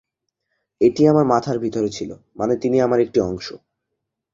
এটি আমার মাথার ভিতরে ছিল, মানে তিনি আমার একটি অংশ।